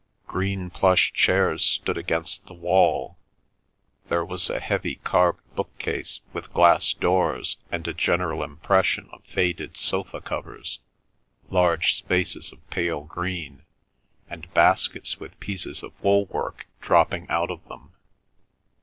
Green plush chairs stood against the wall; there was a heavy carved book case, with glass doors, and a general impression of faded sofa covers, large spaces of pale green, and baskets with pieces of wool work dropping out of them.